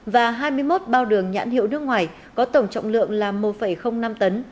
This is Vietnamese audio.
và hai mươi một bao đường nhãn hiệu nước ngoài có tổng trọng lượng là một năm tấn